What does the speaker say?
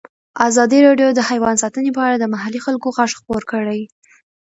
ازادي راډیو د حیوان ساتنه په اړه د محلي خلکو غږ خپور کړی.